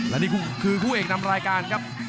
และนี่คือคู่เอกนำรายการครับ